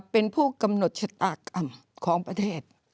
เป็นผู้กำหนดชะตากรรมของประเทศ